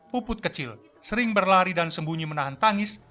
puput kecil sering berlari dan sembunyi menahan tangis